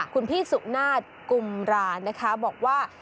คุณพี่สุนาศกุมรานะคะบอกว่า